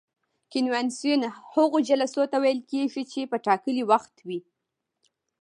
کنوانسیون هغو جلسو ته ویل کیږي چې په ټاکلي وخت وي.